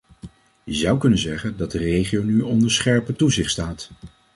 Je zou kunnen zeggen dat de regio nu onder scherper toezicht staat.